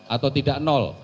atau tidak